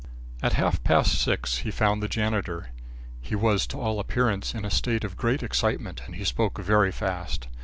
At half past six he found the janitor. He was, to all appearance, in a state of great excitement and he spoke very fast.